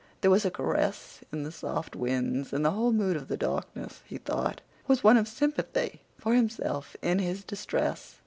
There was a caress in the soft winds; and the whole mood of the darkness, he thought, was one of sympathy for himself in his distress.